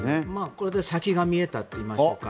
これで先が見えたといいましょうか。